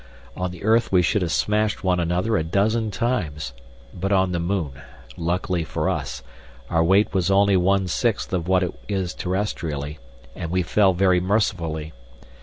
On the earth we should have smashed one another a dozen times, but on the moon, luckily for us, our weight was only one sixth of what it is terrestrially, and we fell very mercifully.